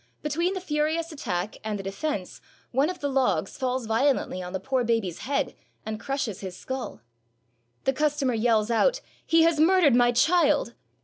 Between the furious attack and the defense, one of the logs falls violently on the poor baby's head, and crushes his skull. The customer yells out, "He has murdered my child!"